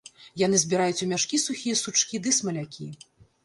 Яны збіраюць у мяшкі сухія сучкі ды смалякі.